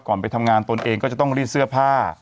ไปทำงานตนเองก็จะต้องรีดเสื้อผ้า